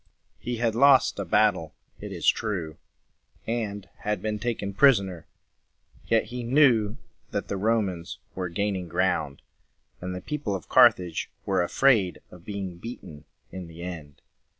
He had lost a battle, it is true, and had been taken prisoner. Yet he knew that the Romans were gaining ground, and the people of Carthage were afraid of being beaten in the end.